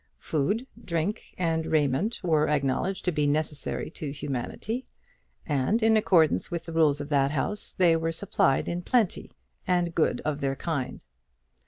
Food, drink, and raiment were acknowledged to be necessary to humanity, and, in accordance with the rules of that house, they were supplied in plenty, and good of their kind.